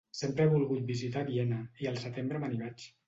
Sempre he volgut visitar Viena i al setembre me n'hi vaig.